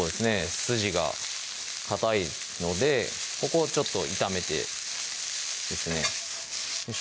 筋がかたいのでここをちょっと炒めてですねよいしょ